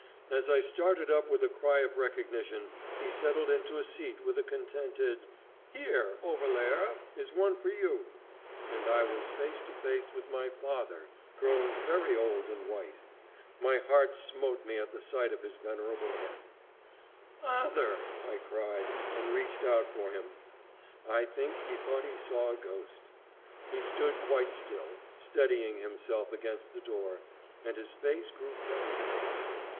As I started up with a cry of recognition, he settled into a seat with a contented "Here, Overlaerer, is one for you," and I was face to face with my father, grown very old and white. My heart smote me at the sight of his venerable head. [Illustration: "I was face to face with my father."] "Father!" I cried, and reached out for him. I think he thought he saw a ghost. He stood quite still, steadying himself against the door, and his face grew very pale.